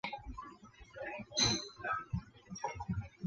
长柄铁角蕨为铁角蕨科铁角蕨属下的一个种。